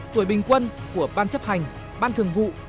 tuổi bình quân của ban chấp hành ban thường vụ